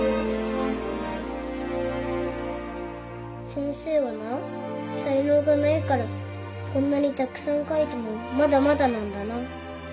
先生はなさいのうがないからこんなにたくさん書いてもまだまだなんだな。